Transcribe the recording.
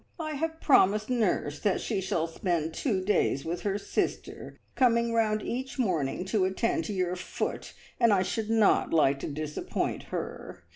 I have promised nurse that she shall spend two days with her sister, coming round each morning to attend to your foot, and I should not like to disappoint her.